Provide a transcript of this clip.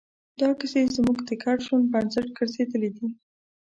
دا کیسې زموږ د ګډ ژوند بنسټ ګرځېدلې دي.